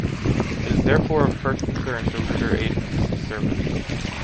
It is therefore of first concern to Reuter Agence Service.